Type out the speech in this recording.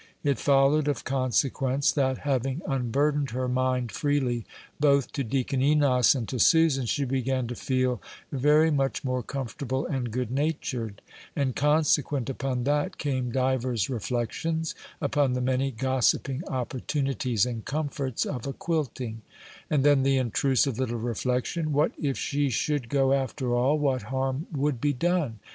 It followed of consequence, that, having unburdened her mind freely both to Deacon Enos and to Susan, she began to feel very much more comfortable and good natured; and consequent upon that came divers reflections upon the many gossiping opportunities and comforts of a quilting; and then the intrusive little reflection, "What if she should go, after all; what harm would be done?"